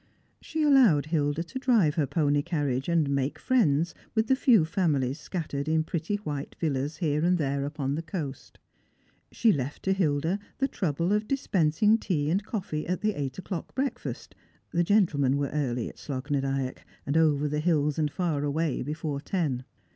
She allowed Hilda to drive her pony carriage, and make friends with the few families scattered in pretty white villas here anc" . there upon the coast. She left to Hilda the trouble of dispens ing tea and coffee at the eight o'clock breakfast ; the gentlemen were early at Slogh na Dyack, and over the hills and far away before ten.